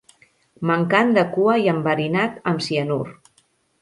Mancant de cua i enverinat amb cinaur.